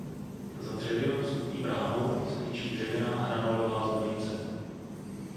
Za dřevěnou vstupní bránou se tyčí dřevěná hranolová zvonice.